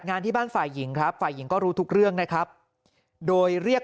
งานที่บ้านฝ่ายหญิงครับฝ่ายหญิงก็รู้ทุกเรื่องนะครับโดยเรียก